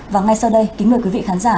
và ngay sau đây kính mời quý vị khán giả